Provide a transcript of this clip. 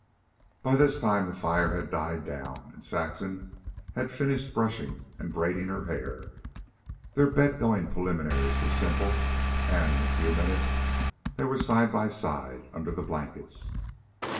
By this time the fire had died down, and Saxon had finished brushing and braiding her hair. Their bed going preliminaries were simple, and in a few minutes they were side by side under the blankets.